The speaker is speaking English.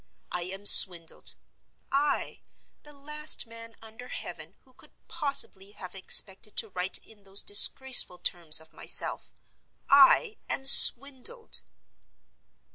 I am swindled—I, the last man under heaven who could possibly have expected to write in those disgraceful terms of myself—I AM SWINDLED!